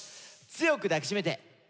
「強く抱きしめて」。